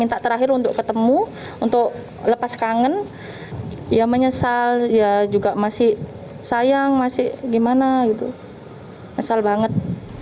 akhir untuk ketemu untuk lepas kangen ia menyesal ya juga masih sayang masih gimana itu masalah banget